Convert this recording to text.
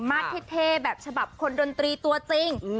เท่แบบฉบับคนดนตรีตัวจริง